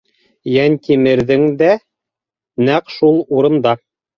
Йәнтимерҙең дә нәҡ шул урында.